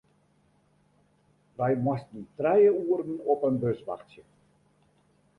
Wy moasten trije oeren op in bus wachtsje.